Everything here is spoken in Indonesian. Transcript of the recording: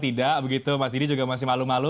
tidak begitu mas didi juga masih malu malu